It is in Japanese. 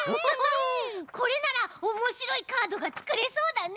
これならおもしろいカードがつくれそうだね！